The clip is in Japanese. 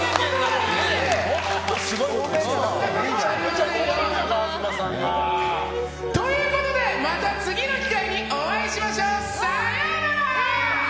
そんなことはありませんよ！ということで、また次の機会にお会いしましょう！さようなら！